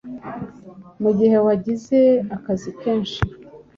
Mu gihe wagize akazi kenshi,